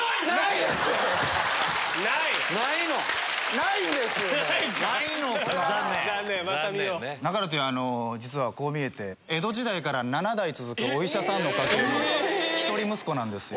なかるてぃんは実はこう見えて江戸時代から７代続くお医者さんの家系の一人息子なんですよ。